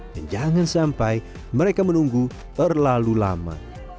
dan jangan sampai mereka menunggu terlalu lama